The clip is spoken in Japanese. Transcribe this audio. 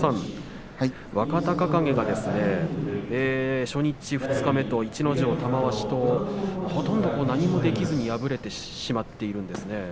若隆景が初日、二日目逸ノ城、玉鷲とほとんど何もできずに敗れてしまっているんですね。